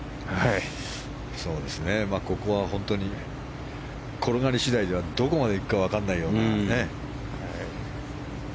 ここは本当に転がり次第ではどこまで行くか分からないような。